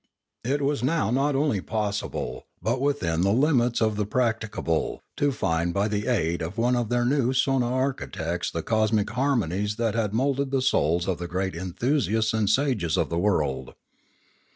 It was now not only possible, but within the 68o Limanora limits of the practicable, to find by the aid of one of their new sonarchitects the cosmic harmonies that had moulded the souls of the great enthusiasts and sages of the world.